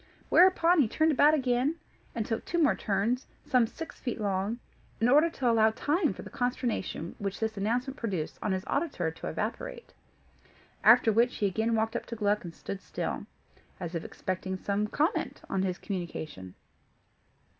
Whereupon he turned about again, and took two more turns, some six feet long, in order to allow time for the consternation which this announcement produced in his auditor to evaporate. After which, he again walked up to Gluck and stood still, as if expecting some comment on his communication.